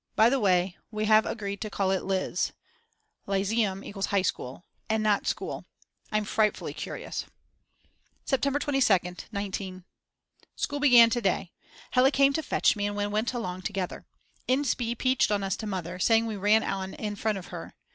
By the way, we have agreed to call it Liz [Lyzeum = High School] and not School. I'm frightfully curious. September 22nd, 19 . School began to day. Hella came to fetch me and we went along together. Inspee peached on us to Mother, saying we ran on in front of her.